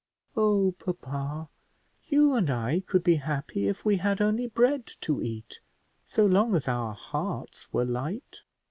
Oh, papa, you and I could be happy if we had only bread to eat, so long as our hearts were light."